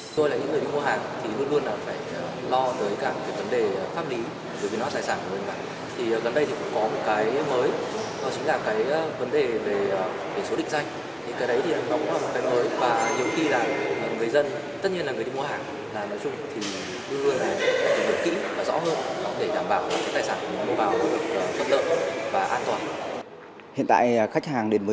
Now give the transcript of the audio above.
tôi là những người đi mua hàng thì luôn luôn là phải lo tới cả vấn đề pháp lý